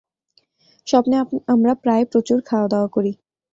স্বপ্নে আমরা প্রায়ই প্রচুর খাওয়াদাওয়া করি।